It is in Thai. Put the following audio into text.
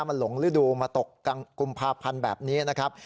มันหลงฤดูมาตกกลางกุมภาพันธ์แบบนี้นะครับ